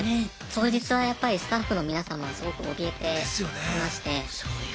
当日はやっぱりスタッフの皆様はすごくおびえていまして。ですよね。